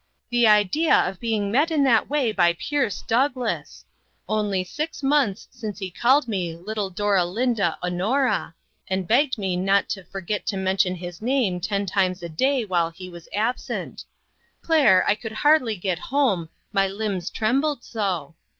The idea of being met in that way by Pierce Douglass ! Only six months since he called me 'little Doralinda Honora,' and begged. me not to forget to mention his name ten times a day while he was absent. Claire, I could hardly get home, my limbs trembled so.